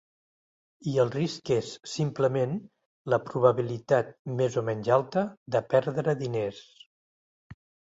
I el risc és, simplement, la probabilitat, més o menys alta, de perdre diners.